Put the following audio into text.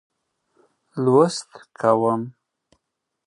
لوست کوم.